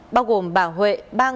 bao gồm bà huệ ba người